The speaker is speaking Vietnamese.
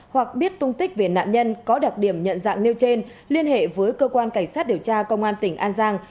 hoặc biết tung tích về nạn nhân có đặc điểm nhận dạng nêu trên liên hệ với cơ quan cảnh sát điều tra công an tỉnh an giang